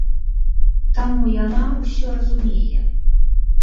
Таму яна ўсё разумее.